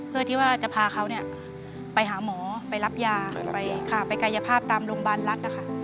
เพื่อที่ว่าจะพาเขาไปหาหมอไปรับยาไปกายภาพตามโรงพยาบาลรัฐนะคะ